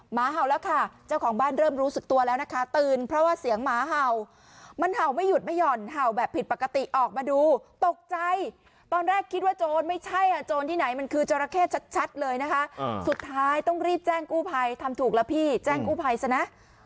หมาเห่าแล้วค่ะเจ้าของบ้านเริ่มรู้สึกตัวแล้วนะคะตื่นเพราะว่าเสียงหมาเห่ามันเห่าไม่หยุดไม่ห่อนเห่าแบบผิดปกติออกมาดูตกใจตอนแรกคิดว่าโจรไม่ใช่อ่ะโจรที่ไหนมันคือจราเข้ชัดเลยนะคะสุดท้ายต้องรีบแจ้งกู้ภัยทำถูกแล้วพี่แจ้งกู้ภัยซะนะ